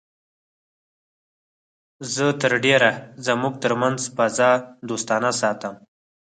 زه تر ډېره زموږ تر منځ فضا دوستانه ساتم